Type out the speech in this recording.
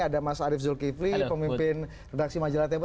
ada mas arief zulkifli pemimpin redaksi majelat tempoh